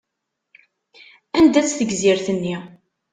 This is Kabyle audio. Anda-tt tegzirt-nni?